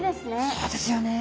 そうですよね。